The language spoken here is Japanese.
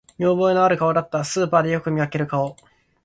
見覚えのある顔だった、スーパーでよく見かける顔